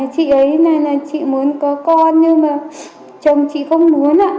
chị ấy này là chị muốn có con nhưng mà chồng chị không muốn ạ